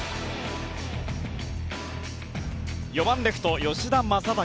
４番レフト、吉田正尚。